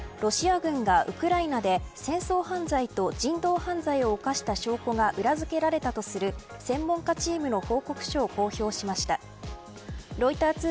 ＳＮＳ１位欧州安保協力機構はロシア軍がウクライナで戦争犯罪と人道犯罪を犯した証拠が裏づけられたとする専門家チームの報告書を公表しました。